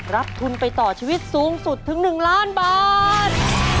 รับทุนไปต่อชีวิตสูงสุดถึง๑ล้านบาท